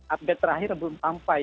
update terakhir belum sampai